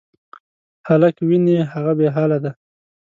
هلک وینې، هغه بېحاله دی.